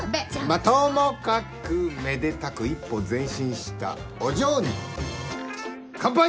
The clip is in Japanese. まあともかくめでたく一歩前進したお嬢に乾杯！